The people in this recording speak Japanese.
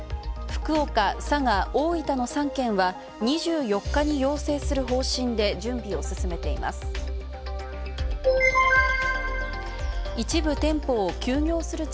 福岡、佐賀、大分の３県は２４日に要請する方針で準備を進めています。